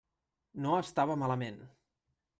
No estava malament.